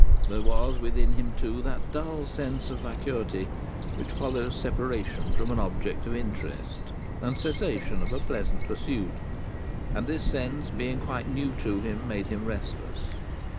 There was within him, too, that dull sense of vacuity which follows separation from an object of interest, and cessation of a pleasant pursuit; and this sense, being quite new to him, made him restless.